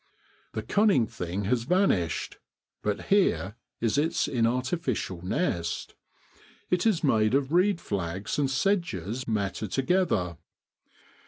The cunning thing has vanished, but here is its inartificial nest : it is made of reed flags and sedges matted together.